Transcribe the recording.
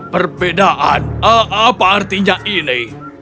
perbedaan apa artinya ini